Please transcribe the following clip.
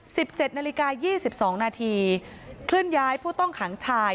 สิบเจ็ดนาฬิกายี่สิบสองนาทีเคลื่อนย้ายผู้ต้องขังชาย